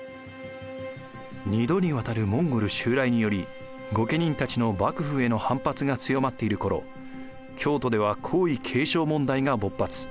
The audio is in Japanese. ２度にわたるモンゴル襲来により御家人たちの幕府への反発が強まっている頃京都では皇位継承問題が勃発。